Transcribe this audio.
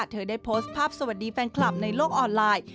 เธอได้โพสต์ภาพสวัสดีแฟนคลับในโลกออนไลน์